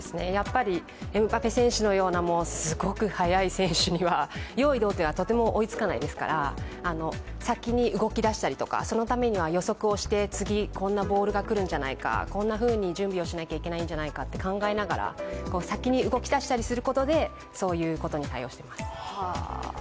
エムバペ選手のようなすごく速い選手には用意、ドンっていうのはとても追いつかないですから先に動き出したりとか、そのためには予測をして次、こんなボールが来るんじゃないかこんなふうに準備をしなければならないんじゃないかと考えながら、先に動きだしたりすることで、そういうことに対応してます。